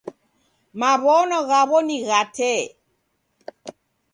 Maw'ono ghaw'o ni gha tee.